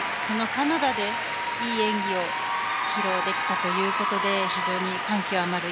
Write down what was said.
カナダでいい演技を披露できたということで非常に感極まる